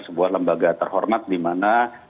sebuah lembaga terhormat dimana